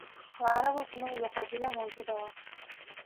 د عربو په نوم یوه قبیله موجوده وه.